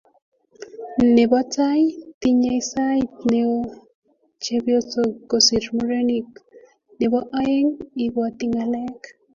Nebo tai, tinyee sait neo chepyosok kosir murenik. Nebo aeng, ibwati ngalek